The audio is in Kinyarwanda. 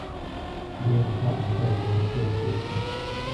Ndumva arwaye kuva ukwezi gushize.